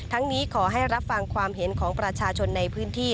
นี้ขอให้รับฟังความเห็นของประชาชนในพื้นที่